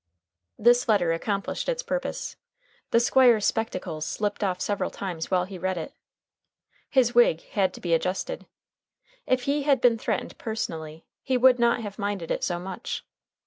This letter accomplished its purpose. The Squire's spectacles slipped off several times while he read it. His wig had to be adjusted. If he had been threatened personally he would not have minded it so much.